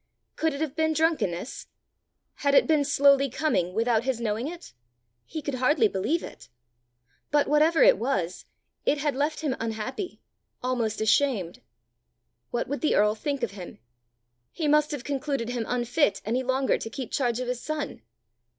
Could it have been drunkenness? Had it been slowly coming without his knowing it? He could hardly believe it. But whatever it was, it had left him unhappy, almost ashamed. What would the earl think of him? He must have concluded him unfit any longer to keep charge of his son!